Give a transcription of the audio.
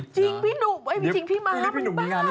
จริงพี่นุ่มเอยบีจริงมาม